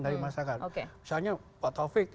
dari masyarakat misalnya pak taufik